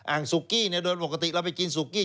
สุกี้เนี่ยโดยปกติเราไปกินซุกี้